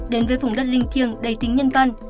đến với vùng đất linh thiêng đầy tính nhân văn